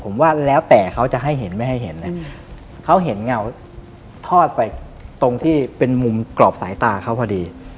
ผมว่าแล้วแต่เขาจะให้เห็นไม่ให้เห็นเนี่ยเขาเห็นเงาทอดไปตรงที่เป็นมุมกรอบสายตาเขาพอดี